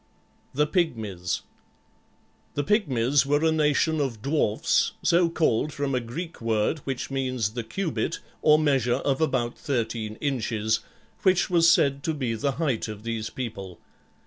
THE PYGMIES The Pygmies were a nation of dwarfs, so called from a Greek word which means the cubit or measure of about thirteen inches, which was said to be the height of these people.